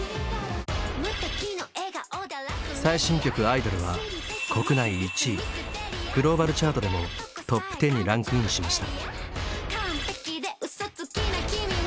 最新曲「アイドル」は国内１位グローバルチャートでもトップ１０にランクインしました。